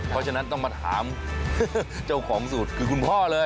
เพราะฉะนั้นต้องมาถามเจ้าของสูตรคือคุณพ่อเลย